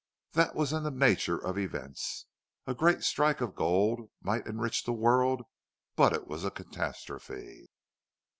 That was in the nature of events. A great strike of gold might enrich the world, but it was a catastrophe.